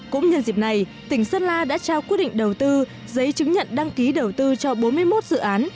cũng nhân dịp này tỉnh sơn la đã trao quyết định đầu tư giấy chứng nhận đăng ký đầu tư cho bốn mươi một dự án